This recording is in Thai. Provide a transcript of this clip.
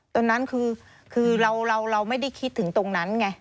ตอนนั้นคือเราไม่ได้คิดถึงตรงนั้นไง